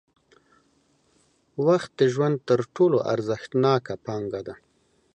وخت د ژوند تر ټولو ارزښتناکه پانګه ده.